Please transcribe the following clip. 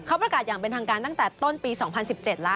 เขาประกาศอย่างเป็นทางการตั้งแต่ต้นปี๒๐๑๗แล้ว